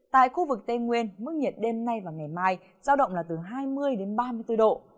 tại khu vực tây nguyên mức nhiệt đêm nay và ngày mai giao động là từ hai mươi đến ba mươi bốn độ